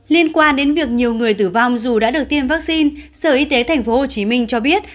liên quan đến việc nhiều người tử vong dù đã được tiêm vaccine sở y tế tp hcm cho biết